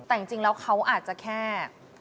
แต่จริงแล้วเขาอาจจะแค่